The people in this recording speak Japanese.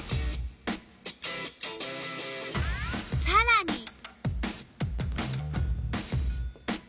さらに。